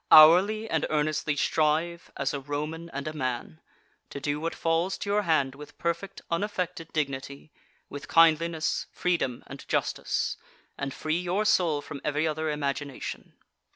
5. Hourly and earnestly strive, as a Roman and a man, to do what falls to your hand with perfect unaffected dignity, with kindliness, freedom and justice, and free your soul from every other imagination.